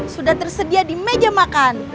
sudah tersedia di meja makan